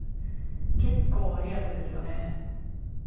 結構リアルですよね。